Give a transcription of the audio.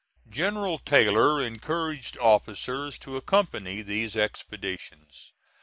General Taylor encouraged officers to accompany these expeditions.